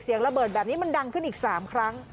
ระเบิดแบบนี้มันดังขึ้นอีก๓ครั้ง